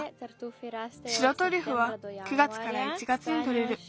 白トリュフは９月から１月にとれる。